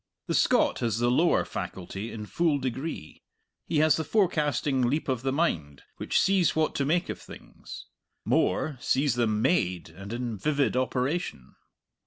The Scot has the lower faculty in full degree; he has the forecasting leap of the mind which sees what to make of things more, sees them made and in vivid operation.